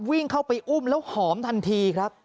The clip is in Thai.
วิ่งเข้าไปอุ้มแล้วหอมทันทีครับ